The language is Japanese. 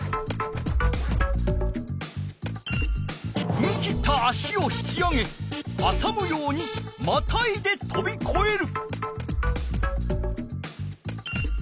ふみ切った足を引き上げはさむようにまたいでとびこえる。